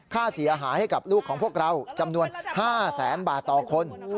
ค่าเสียหายให้กับลูกของพวกเราจำนวน๕แสนบาทต่อคน